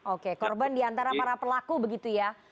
oke korban diantara para pelaku begitu ya